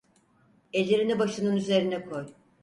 Ellerini başının üzerine koy!